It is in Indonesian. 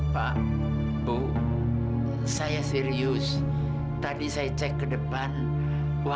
pak ini sih pak